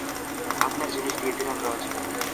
আপনার জিনিস দিয়ে দিলাম, রজ!